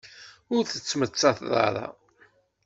Ur tettmettat ara.